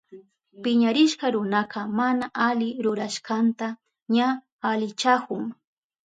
Piñarishka runaka mana ali rurashkanta ña alichahun.